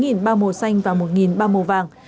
gồm hai mươi chín bao màu xanh và một bao màu vàng